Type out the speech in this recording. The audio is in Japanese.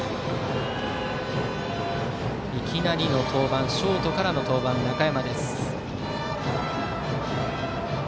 いきなりのショートからの登板中山。